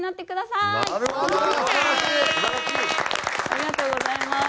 ありがとうございます。